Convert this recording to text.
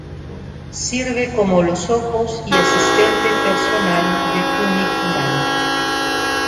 Sirve como los ojos y asistente personal de Kinnikuman.